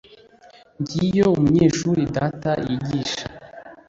Ngiyo umunyeshuri data yigisha.